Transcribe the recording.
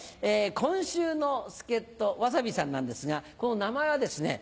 今週の助っ人わさびさんなんですがこの名前はですね